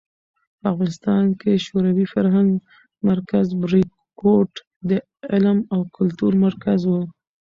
په افغانستان کې شوروي فرهنګي مرکز "بریکوټ" د علم او کلتور مرکز و.